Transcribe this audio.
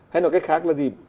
hay là cách khác là gì